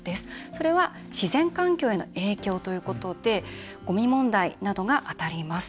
それは自然環境への影響ということでゴミ問題などが当たります。